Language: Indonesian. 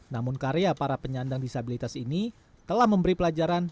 namun karya para penyandang disabilitas ini telah memberi pelajaran